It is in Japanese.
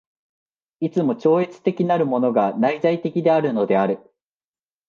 いつも超越的なるものが内在的であるのである。